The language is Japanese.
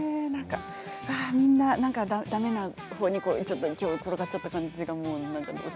みんな、だめなほうにきょうは転がっちゃった感じが。